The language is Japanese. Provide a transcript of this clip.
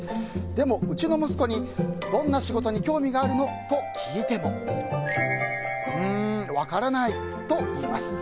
でも、うちの息子にどんな仕事に興味があるの？と聞いてもうーん、分からないと言います。